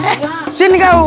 eh sini kau